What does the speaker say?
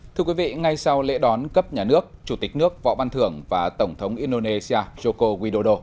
thưa quý vị ngay sau lễ đón cấp nhà nước chủ tịch nước võ ban thưởng và tổng thống yoko widodo